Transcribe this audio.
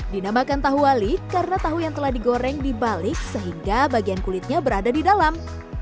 dinamakan tahu wali karena tahu yang telah digoreng dibalik sehingga bagian kulitnya berada di dalam